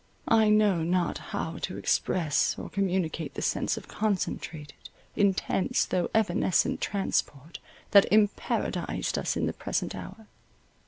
I know not how to express or communicate the sense of concentrated, intense, though evanescent transport, that imparadized us in the present hour.